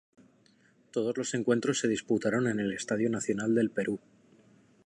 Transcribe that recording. Todos los encuentros se disputaron en el Estadio Nacional del Perú.